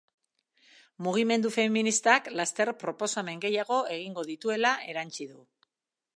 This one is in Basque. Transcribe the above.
Mugimendu feministak laster proposamen gehiago egingo dituela erantsi du.